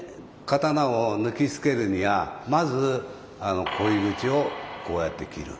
刀を抜きつけるにはまず鯉口をこうやって切る。